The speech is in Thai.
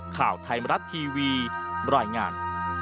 ข่าวไทยรัตน์ทีวีบร่อยงาน